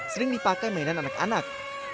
sering dipakai mainan anak anak